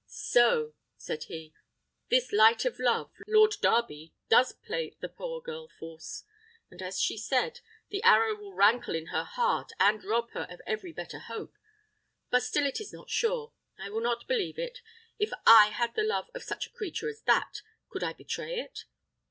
"So," said he, "this light of love, Lord Darby does play the poor girl false; and, as she said, the arrow will rankle in her heart, and rob her of every better hope. But still it is not sure. I will not believe it. If I had the love of such a creature as that, could I betray it?"